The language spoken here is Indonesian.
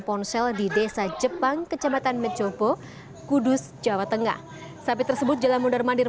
ponsel di desa jepang kecepatan mecobo kudus jawa tengah sapi tersebut jalan mundur mandir